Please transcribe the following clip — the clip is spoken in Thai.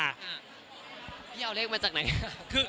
พี่เอาเลขมาจากไหน